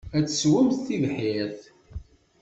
Ad tesswemt tibḥirt.